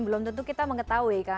belum tentu kita mengetahui